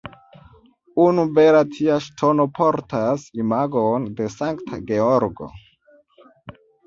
Unu bela tia ŝtono portas imagon de Sankta Georgo.